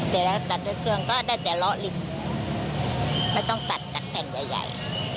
แต่ถ้าตัดด้วยเครื่องก็ได้แต่เลาะลิมไม่ต้องตัดจากแผ่นใหญ่ใหญ่